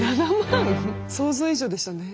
想像以上でしたね。